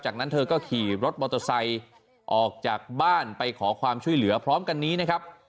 จากนั้นเธอก็ขี่รถมอเตอร์ไซค์ออกจากบ้านไปขอความช่วยเหลือพร้อมกันนี้นะครับ